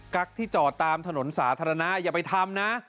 ที่จอดตามถนนสาธารณะอย่าไปทำนะ